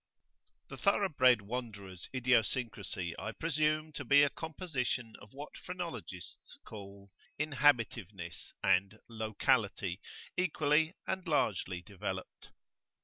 THE thorough bred wanderer's idiosyncracy I presume to be a composition of what phrenologists call "inhabitiveness" and "locality" equally and largely developed.